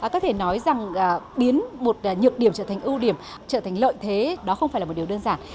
có thể nói rằng biến một nhược điểm trở thành ưu điểm trở thành lợi thế đó không phải là một điều đơn giản